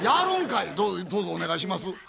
どうぞお願いします。